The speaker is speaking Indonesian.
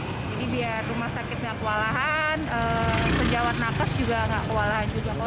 jadi biar rumah sakit gak kewalahan penjawat nafas juga gak kewalahan juga